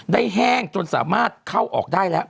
แห้งจนสามารถเข้าออกได้แล้ว